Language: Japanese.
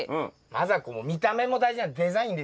まずはこう見た目も大事デザインですよね。